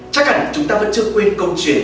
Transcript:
chắc hẳn chúng ta vẫn chưa quên câu chuyện